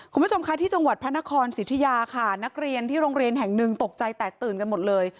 คุณผู้ชมค่ะที่จังหวัดพระนครสิทธิยาค่ะนักเรียนที่โรงเรียนแห่งหนึ่งตกใจแตกตื่นกันหมดเลย